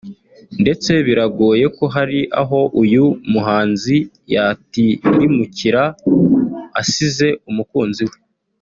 ndetse biragoye ko hari aho uyu muhanzi yatirimukira asize umukunzi we